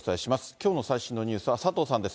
きょうの最新のニュースは、佐藤さんです。